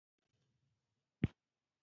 توره زما په زغره اثر نه کوي.